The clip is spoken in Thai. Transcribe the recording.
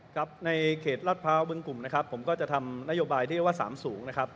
ครับในเขตรัดพร้าวบึงกลุ่มนะครับผมก็จะทำนโยบายที่เรียกว่าสามสูงนะครับ